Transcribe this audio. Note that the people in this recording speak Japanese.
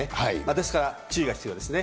ですから注意が必要ですね。